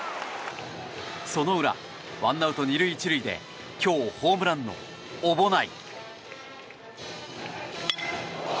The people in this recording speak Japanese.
その裏、ワンアウト２塁１塁で今日ホームランの小保内。